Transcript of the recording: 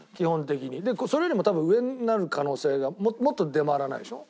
それよりも多分上になる可能性がもっと出回らないんでしょ？